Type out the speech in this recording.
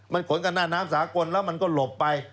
มันขนกันหน้าน้ำสากลแล้วมันก็หลบไป